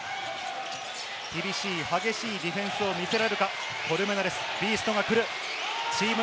厳しい激しいディフェンスを見せられるか、コルメナレス、ビーストが来る。